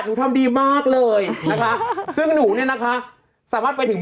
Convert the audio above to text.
หนูทำดีมากเลยนะคะซึ่งหนูเนี่ยนะคะสามารถไปถึง